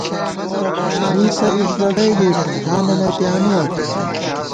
ووئی تہ اِیݫگڈَئی گېݭُو ، گانہ نہ پیانُوا تُوئیں